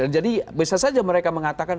jadi bisa saja mereka mengatakan